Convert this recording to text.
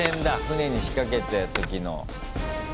船に仕掛けた時の。